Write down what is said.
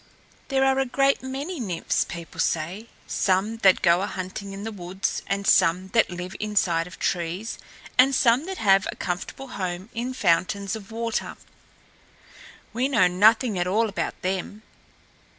"There are a great many Nymphs, people say; some that go a hunting in the woods, and some that live inside of trees, and some that have a comfortable home in fountains of water. We know nothing at all about them.